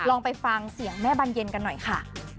ลองไปฟังเสียงแม่บานเย็นกันหน่อยค่ะ